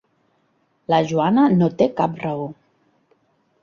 La Joana no té cap raó.